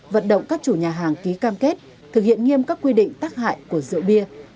vận động các chủ nhà hàng ký cam kết thực hiện nghiêm các quy định tác hại của rượu bia